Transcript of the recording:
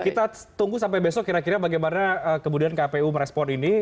kita tunggu sampai besok kira kira bagaimana kemudian kpu merespon ini